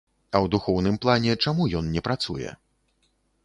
А ў духоўным плане чаму ён не працуе?